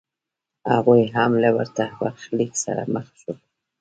هغوی هم له ورته برخلیک سره مخ شول